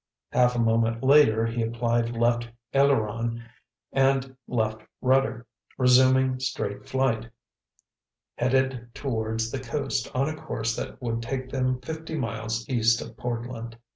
Half a moment later he applied left aileron, and left rudder, resuming straight flight, headed toward the coast on a course that would take them fifty miles east of Portland.